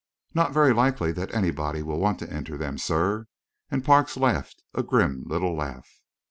"Not very likely that anybody will want to enter them, sir," and Parks laughed a grim little laugh.